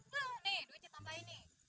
tuh nih duitnya tambahin nih